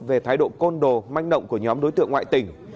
về thái độ côn đồ manh động của nhóm đối tượng ngoại tỉnh